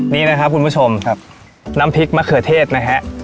นี่นะครับคุณผู้ชมครับน้ำพริกมะเขือเทศนะฮะ